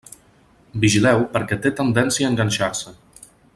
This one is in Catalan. Vigileu perquè té tendència a enganxar-se.